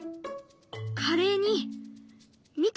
カレーに見て！